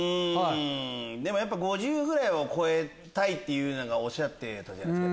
でも５０ぐらいは超えたいっておっしゃってたじゃないですか。